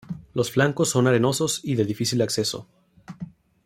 Los flancos son arenosos y de difícil acceso.